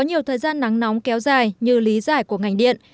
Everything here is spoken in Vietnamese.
nắng nóng kéo dài như lý giải của ngành điện